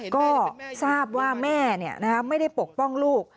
ก็ทราบว่าแม่ไม่ได้ปกป้องลูก